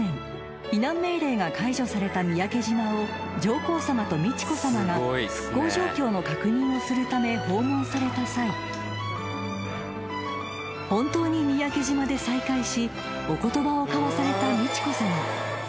［避難命令が解除された三宅島を上皇さまと美智子さまが復興状況の確認をするため訪問された際本当に三宅島で再会しお言葉を交わされた美智子さま］